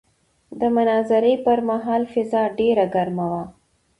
د مناظرې پر مهال فضا ډېره ګرمه وه.